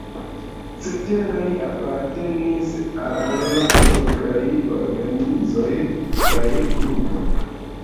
Ceteraj apartenis al lokaj organizoj kaj grupoj.